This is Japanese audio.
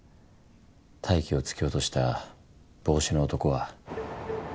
泰生を突き落とした帽子の男は。